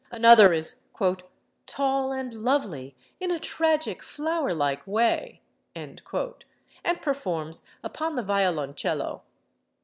Another is "tall and lovely in a tragic, flower like way" and performs upon the violoncello.